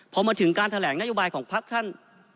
พอมาถึงการแถลงนโยบายของพักท่าน